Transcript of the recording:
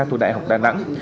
thuộc đại học đà nẵng